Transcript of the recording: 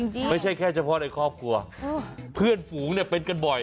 ไม่ใช่แค่เฉพาะในครอบครัวเพื่อนฝูงเนี่ยเป็นกันบ่อย